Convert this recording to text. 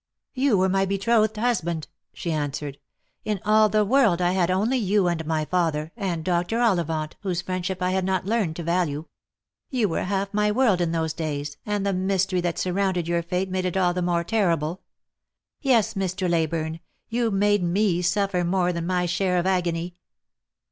" You were my betrothed husband," she answered. " In all the world I had only you, and my father, and Dr. Ollivant, whose friendship I had not learned to value. You were half my world in those days, and the mystery that surrounded your fate made it all the more terrible. Yes, Mr. Leyburne, you made me suffer more than my share of agony."